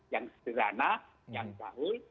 yang sederhana yang jahil